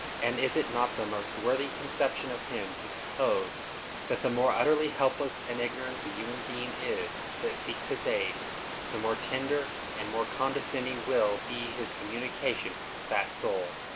and is it not the most worthy conception of Him to suppose that the more utterly helpless and ignorant the human being is that seeks His aid, the more tender and the more condescending will be His communication with that soul?